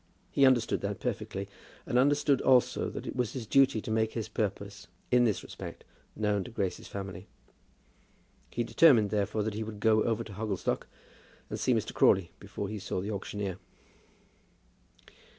He understood that perfectly, and understood also that it was his duty to make his purpose in this respect known to Grace's family. He determined, therefore, that he would go over to Hogglestock, and see Mr. Crawley before he saw the auctioneer.